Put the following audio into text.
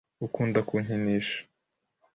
akunda kunkinisha.